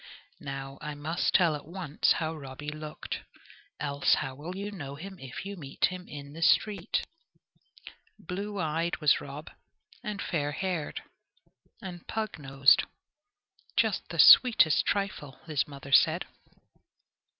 Now I must tell at once how Robby looked, else how will you know him if you meet him in the street? Blue eyed was Rob, and fair haired, and pug nosed, just the sweetest trifle, his mother said.